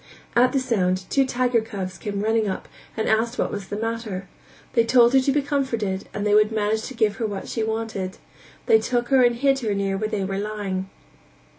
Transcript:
At the sound two tiger cubs came running up and asked what was the matter; they told her to be comforted and they would manage to give her what she wanted; and they took her and hid her near where they were lying.